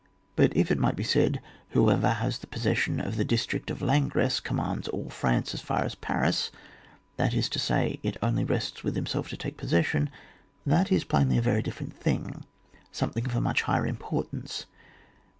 But if it might be said, Who ever has possession of the district of Langres commands all France as far as Paris — that is to say, it only rests with himself to take possession — that is plainly a very different thing, something of much higher importance.